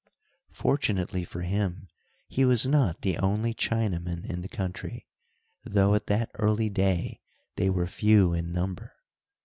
Fortunately for him, he was not the only Chinaman in the country, though at that early day they were few in number.